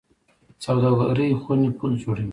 سوداګرۍ خونې پل جوړوي